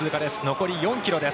残り４ｋｍです。